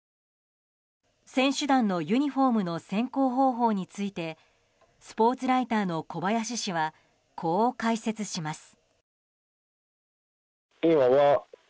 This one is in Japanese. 選手団のユニホームの選考方法についてスポーツライターの小林氏はこう解説します。